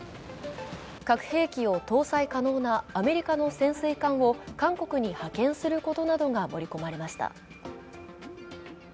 核兵器を搭載可能なアメリカの潜水艦を韓国に派遣することなどが盛り込まれました。